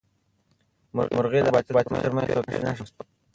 مرغۍ د حق او باطل تر منځ د توپیر نښه شوه.